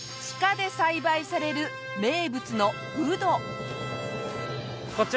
地下で栽培される名物のうど。